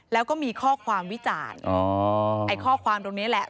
แล้วก็มีข้อนโลกไอ้ข้อความตรงเนี้ยแหละ